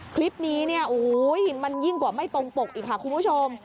คลิปนี้เนี่ยโอ้โหมันยิ่งกว่าไม่ตรงปกอีกค่ะคุณผู้ชม